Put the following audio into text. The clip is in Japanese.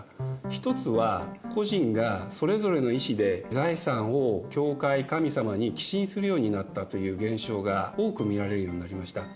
一つは個人がそれぞれの意思で財産を教会神様に寄進するようになったという現象が多く見られるようになりました。